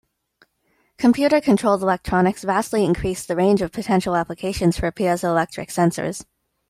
Computer controlled electronics vastly increase the range of potential applications for piezoelectric sensors.